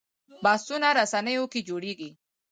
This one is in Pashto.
بحثونه رسنیو کې جوړېږي